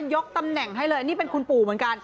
ยกตำแหน่งให้เลยนี่เป็นคุณปู่เหมือนกัน